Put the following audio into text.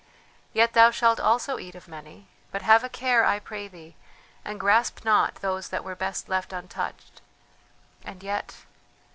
Yet thou shalt also eat of many; but have a care, I pray thee, and grasp not those that were best left untouched; and yet?